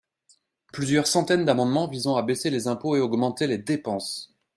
plusieurs centaines d’amendements visant à baisser les impôts et augmenter les dépenses.